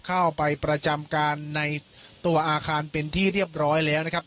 เข้าไปประจำการในตัวอาคารเป็นที่เรียบร้อยแล้วนะครับ